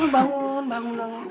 bangun bangun dong